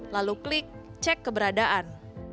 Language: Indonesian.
lalu klik cek keberadaan